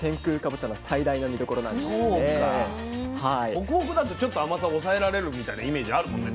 ホクホクだとちょっと甘さを抑えられるみたいなイメージあるもんね